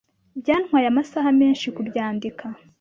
Byantwaye amasaha menshi kubyandika.